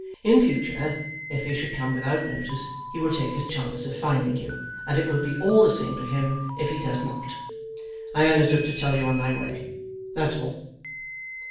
In future, if he should come without notice, he will take his chance of finding you, and it will be all the same to him if he does not. I undertook to tell you on my way. That's all.